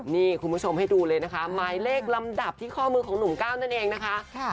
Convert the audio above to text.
นี่คุณผู้ชมให้ดูเลยนะคะหมายเลขลำดับที่ข้อมือของหนุ่มก้าวนั่นเองนะคะ